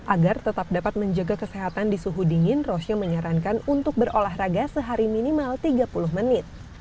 agar tetap dapat menjaga kesehatan di suhu dingin roshio menyarankan untuk berolahraga sehari minimal tiga puluh menit